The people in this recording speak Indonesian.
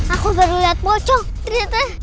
aku baru liat pocong ternyata